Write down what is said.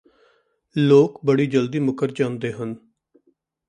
ਲੋਕ ਬੜੀ ਜਲਦੀ ਮੁਕਰ ਜਾਂਦੇ ਹਨ